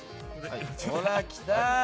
ほら、来た。